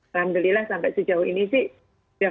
alhamdulillah sampai sejauh ini sih sudah